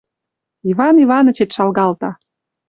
Иван Иванычет шалгалта